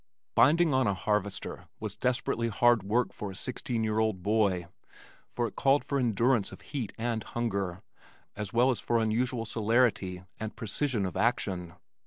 Binding on a harvester was desperately hard work for a sixteen year old boy for it called for endurance of heat and hunger as well as for unusual celerity and precision of action.